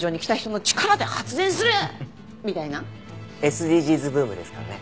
ＳＤＧｓブームですからね。